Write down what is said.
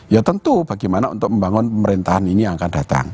ya tentu bagaimana untuk membangun pemerintahan ini yang akan datang